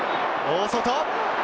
大外！